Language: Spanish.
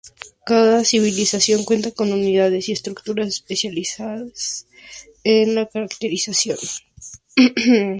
Cada civilización cuenta con unidades y estructuras especiales que la caracterizaron.